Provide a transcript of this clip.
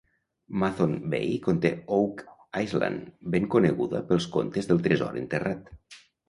Mathone Bay conté Oak Island, ben coneguda pels contes del tresor enterrat.